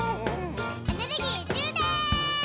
エネルギーじゅうでん！